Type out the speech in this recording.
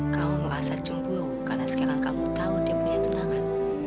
kamu merasa cemburu karena sekarang kamu tahu dia punya tunangan